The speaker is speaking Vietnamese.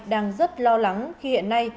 đang rất lo lắng khi hiện nay